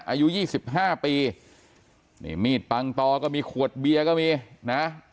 อายุยี่สิบห้าปีนี่มีดปังตอก็มีขวดเบียก็มีนะฮะ